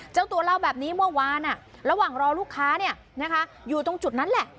เจ้าตัวเล่าแบบนี้เมื่อวานระหว่างรอลูกค้าอยู่ตรงจุดนั้นแหละ